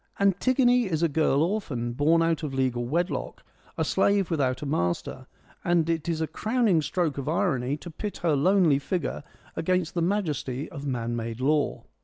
' Antigone is a girl orphan, born out of legal wedlock, a slave without a master ; and it is a crowning stroke of irony to pit her lonely figure against the majesty of man made law.